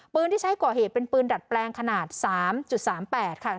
ที่ใช้ก่อเหตุเป็นปืนดัดแปลงขนาด๓๓๘ค่ะ